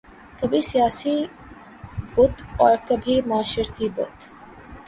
کبھی سیاسی بت اور کبھی معاشرتی بت